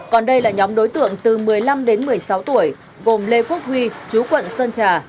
còn đây là nhóm đối tượng từ một mươi năm đến một mươi sáu tuổi gồm lê quốc huy chú quận sơn trà